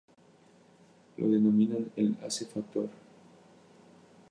Lo denominaban el: "ace factor".